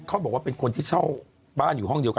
เขาบอกว่าเป็นคนที่เช่าบ้านอยู่ห้องเดียวกัน